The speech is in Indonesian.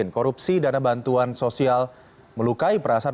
korupsi dana bantuan sosial melukai perasaan